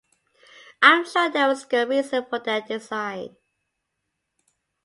I'm sure there was good reason for their design